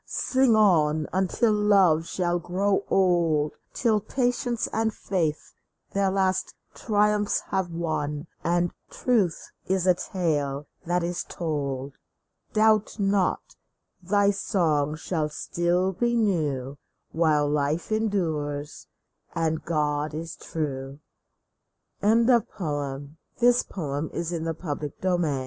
Sing on until love shall grow old ; Till patience and faith their last triumphs have won, And truth is a tale that is told ! Doubt not, thy song shall still be new While life endures and God is true ! TWO • We two will